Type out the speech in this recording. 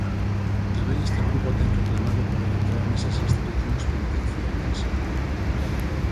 Tamén este grupo ten reclamado poder entrar nesas institucións penitenciarias.